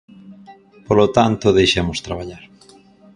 Polo tanto, deixemos traballar.